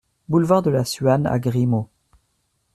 Boulevard de la Suane à Grimaud